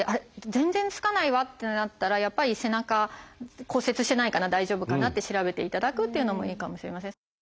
全然つかないわってなったらやっぱり背中骨折してないかな大丈夫かなって調べていただくっていうのもいいかもしれません。